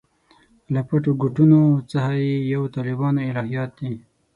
له پټو ګوټونو څخه یو یې طالبانو الهیات دي.